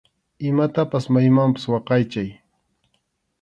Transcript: Imatapas maymanpas waqaychay.